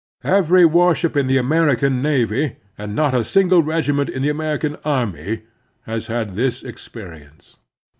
Every warship in the American navy, and not a single regiment in the American army, had had this experience.